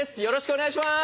お願いします。